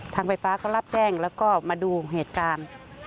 ทางไฟฟ้าก็รับแจ้งแล้วก็มาดูเหตุการณ์